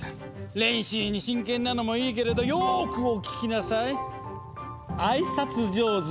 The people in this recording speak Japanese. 練習に真剣なのもいいけれどよくお聞きなさい。